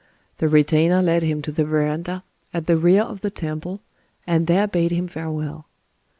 The retainer led him to the verandah at the rear of the temple, and there bade him farewell.